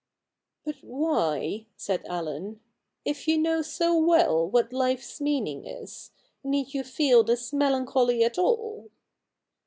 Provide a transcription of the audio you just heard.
' But why,' said Allen, ' if you know so well what life's meaning is, need you feel this melancholy at all